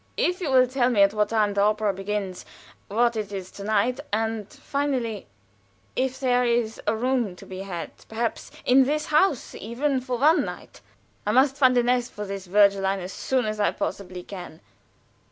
"If you will tell me at what time the opera begins, what it is to night, and finally, if there is a room to be had, perhaps in this house, even for one night. I must find a nest for this Vögelein as soon as I possibly can."